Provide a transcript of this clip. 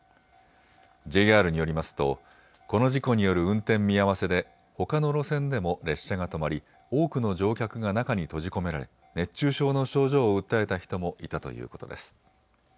ＪＲによりますとこの事故による運転見合わせでほかの路線でも列車が止まり、多くの乗客が中に閉じ込められ熱中症の症状を訴えた人もいたということです。